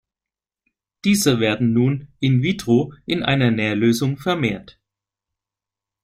Diese werden nun "in vitro" in einer Nährlösung vermehrt.